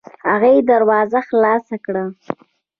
هغې دروازه خلاصه کړه.